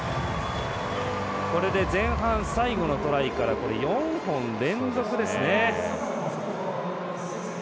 これで前半最後のトライから４本連続ですね。